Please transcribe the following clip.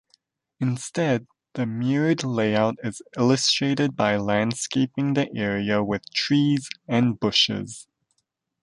Instead, the mirrored layout is illustrated by landscaping the area with trees and bushes.